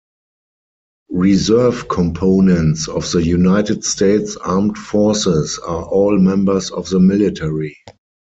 Reserve components of the United States Armed Forces are all members of the military.